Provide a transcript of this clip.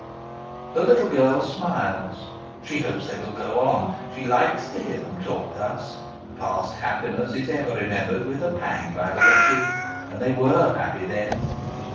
The little girl smiles. She hopes they will go on. She likes to hear them talk thus. Past happiness is ever remembered with a pang by the wretched, and they were happy then.